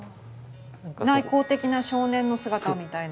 内向的な少年の姿みたいな。